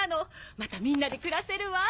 またみんなで暮らせるわ。